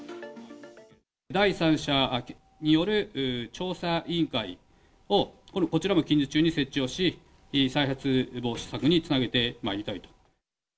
第三者による調査委員会を、こちらも近日中に設置をし、再発防止策につなげてまいりたいと。